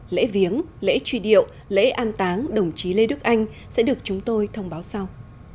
lễ viếng lễ truy điệu lễ an táng đồng chí lê đức anh sẽ được chúng tôi thông báo sau